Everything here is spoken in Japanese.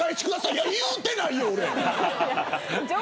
いや、言うてないよ俺。